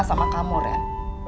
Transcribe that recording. sama kamu ren